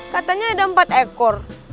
katanya ada empat ekor